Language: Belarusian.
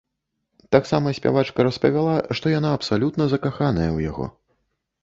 Таксама спявачка распавяла, што яна абсалютна закаханая ў яго.